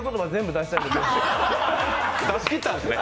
出し切ったんですね。